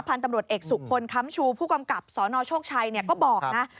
พันธุ์ตำรวจเอกสุพลค้ำชูผู้กำกับสนโชคชัยก็บอกนะ